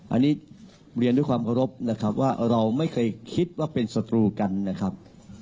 อันนี้เรียนด้วยความเคารพนะครับว่าเราไม่เคยคิดว่าเป็นศัตรูกันนะครับ